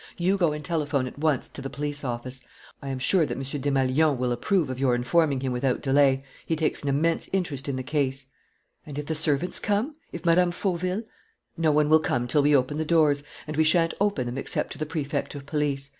You go and telephone at once to the police office. I am sure that M. Desmalions will approve of your informing him without delay. He takes an immense interest in the case." "And if the servants come? If Mme. Fauville ?" "No one will come till we open the doors; and we shan't open them except to the Prefect of Police.